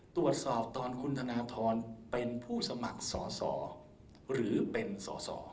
ตรวจสอบตอนคุณธนทรเป็นผู้สมัครสอสอหรือเป็นสอสอ